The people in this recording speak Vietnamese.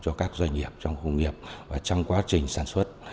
cho các doanh nghiệp trong khu nghiệp và trong quá trình sản xuất